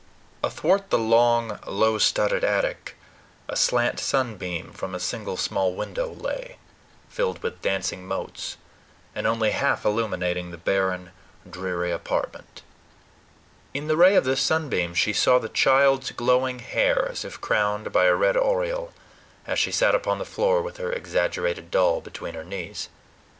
Athwart the long, low studded attic, a slant sunbeam from a single small window lay, filled with dancing motes, and only half illuminating the barren, dreary apartment. In the ray of this sunbeam she saw the child's glowing hair, as if crowned by a red aureole, as she sat upon the floor with her exaggerated doll between her knees.